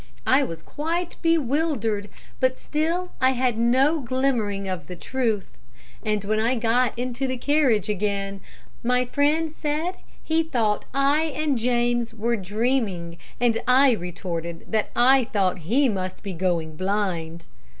"I was quite bewildered; but still I had no glimmering of the truth; and when I got into the carriage again my friend said he thought I and James were dreaming, and I retorted that I thought he must be going blind.